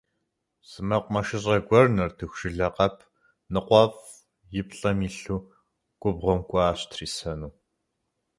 Зы мэкъумэшыщӀэ гуэр нартыху жылэ къэп ныкъуэфӀ и плӀэм илъу губгъуэм кӀуащ трисэну.